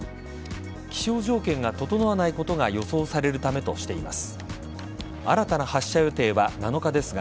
気象条件が整わないことが予想されるためとしています。